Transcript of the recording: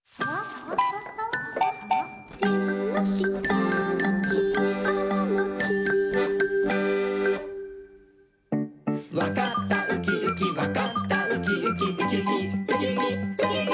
「えんのしたのちからもち」「わかったウキウキわかったウキウキ」「ウキウキウキウキウキウキ」